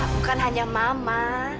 bukan hanya mama